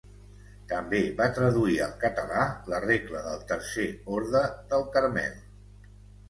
També va traduir al català la regla del Tercer Orde del Carmel.